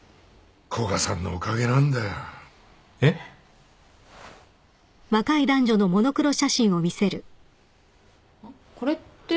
古賀さんのおかげなんだよ。えっ？あっこれって？